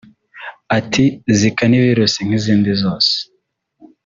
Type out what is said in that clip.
Ati” Zika ni virus nk’izindi zose